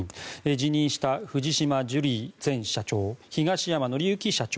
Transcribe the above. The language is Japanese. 辞任した藤島ジュリー前社長東山紀之社長